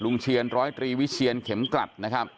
เชียนร้อยตรีวิเชียนเข็มกลัดนะครับ